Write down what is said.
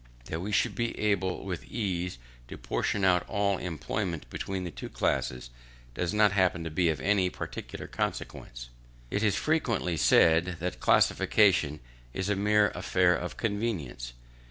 That we should be able with ease to portion out all employments between the two classes, does not happen to be of any particular consequence. It is frequently said that classification is a mere affair of convenience.